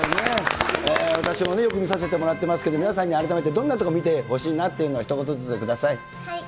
私もよく見させてもらってますけど、皆さんに改めてどんなところ見てほしいなっていうのを、ひと言ずつください。